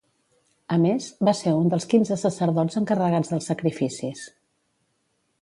A més, va ser un dels quinze sacerdots encarregats dels sacrificis.